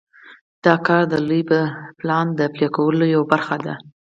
دا کار د لوی پلان د پلي کولو یوه برخه ده.